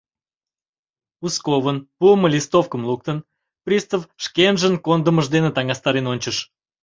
Узковын пуымо листовкым луктын, пристав шкенжын кондымыж дене таҥастарен ончыш.